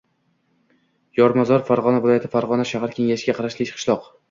Yormozor – Farg‘ona viloyati Farg‘ona shahar kengashiga qarashli qishloq.